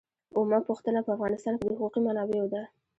اوومه پوښتنه په افغانستان کې د حقوقي منابعو ده.